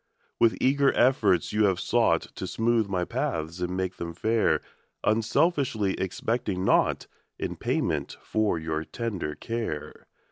% W ITH eager efforts you Have sougkt To smootk my paths and make them fair, Unselfiskly expect 5 mg naugkt In payment for your tender care.